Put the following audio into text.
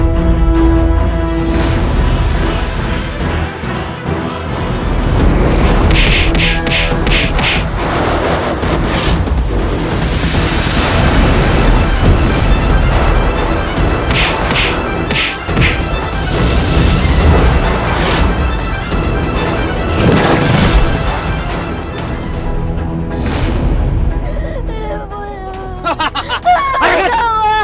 saya tidak mau